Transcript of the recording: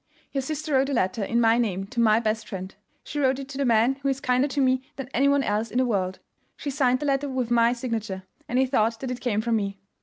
"Your sister wrote a letter in my name to my best friend. She wrote it to the man who is kinder to me than anyone else in the world. She signed the letter with my signature, and he thought that it came from me.